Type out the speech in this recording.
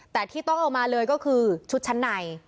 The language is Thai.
แต่ที่ต้องเอามาเลยก็คือชุดชั้นใน